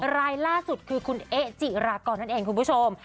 รายล่าสุดคือคุณเอ๊ะจิรากรนั่นเองคุณผู้ชม